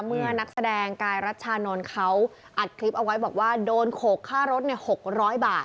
นักแสดงกายรัชชานนท์เขาอัดคลิปเอาไว้บอกว่าโดนโขกค่ารถ๖๐๐บาท